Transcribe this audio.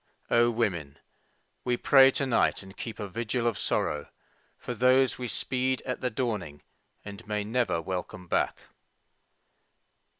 O women, we pray to night and keep a vigil of sorrow For those we speed at the dawning and may never welcome back!